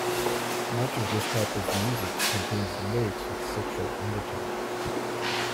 Much of this type of music contains lyrics with sexual undertones.